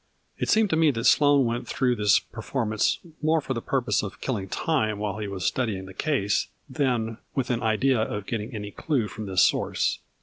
It seemed to me that Sloane went through this performance more for the purpose of kill ing time while he was studying the case, than with an idea of getting any clue from this source.